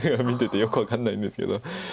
見ててよく分かんないんですけど。